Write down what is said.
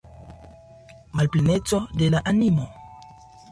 Malpleneco de la animo.